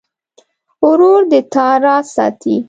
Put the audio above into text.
ورور د تا راز ساتي.